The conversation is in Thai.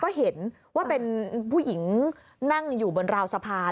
ก็เห็นว่าเป็นผู้หญิงนั่งอยู่บนราวสะพาน